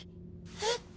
えっ？